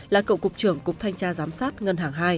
là cựu cục trưởng cục thanh tra giám sát ngân hàng hai